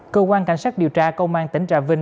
cơ quan cảnh sát điều tra công an tỉnh trà vinh